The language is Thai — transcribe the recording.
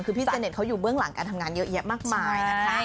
คือพี่เสน็ตเขาอยู่เบื้องหลังการทำงานเยอะแยะมากมายนะคะ